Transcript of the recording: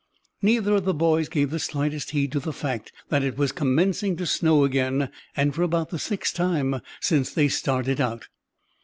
Neither of the boys gave the slightest heed to the fact that it was commencing to snow again and for about the sixth time since they started out.